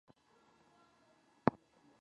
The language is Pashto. دې ژبې ته په پوره درناوي وګورئ.